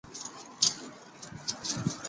嗜盐古菌素有的属于多肽。